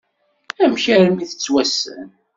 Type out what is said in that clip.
Amek armi tettwassen?